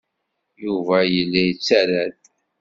Yuba yella yettarra-d.